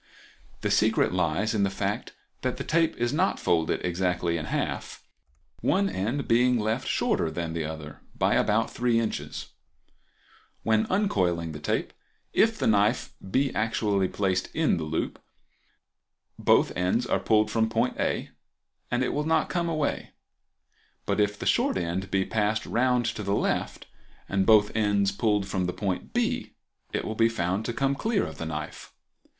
The secret lies in the fact that the tape is not folded exactly in half, one end being left shorter than the other by about 3 in. When uncoiling the tape, if the knife be actually placed in the loop, and both ends are pulled from the point A, it will not come away; but if the short end be passed round to the left and both ends pulled from the point B, it will be found to come clear of the knife.